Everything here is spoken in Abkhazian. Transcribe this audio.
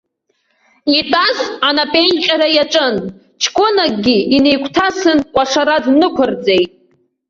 Итәаз анапеинҟьара иаҿын, ҷкәынакгьы инаигәҭасын, кәашара днықәырҵеит.